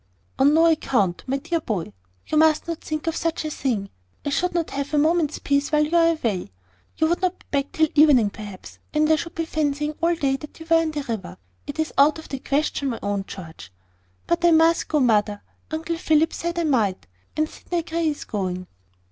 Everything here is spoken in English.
"On no account, my dear boy. You must not think of such a thing. I should not have a moment's peace while you are away. You would not be back till evening, perhaps; and I should be fancying all day that you were in the river. It is out of the question, my own George." "But I must go, mother. Uncle Philip said I might; and Sydney Grey is going."